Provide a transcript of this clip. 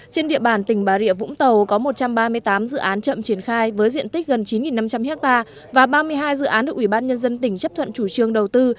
trên địa bàn tỉnh bà rịa vũng tàu có một trăm ba mươi tám dự án chậm triển khai với diện tích gần chín năm trăm linh ha và ba mươi hai dự án được ủy ban nhân dân tỉnh chấp thuận chủ trương đầu tư